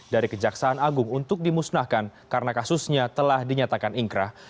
dari kejaksaan agung untuk dimusnahkan karena kasusnya telah dinyatakan ingkrah